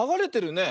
ねえ。